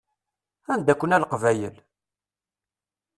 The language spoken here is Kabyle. Anda-ken a Leqbayel?